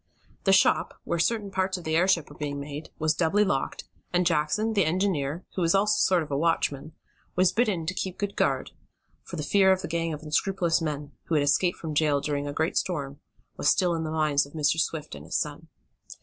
The shop, where certain parts of the airship were being made, was doubly locked, and Jackson, the engineer, who was also a sort of watchman, was bidden to keep good guard, for the fear of the gang of unscrupulous men, who had escaped from jail during a great storm, was still in the minds of Mr. Swift and his son.